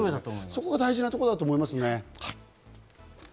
そこが大事なところだと思いますね。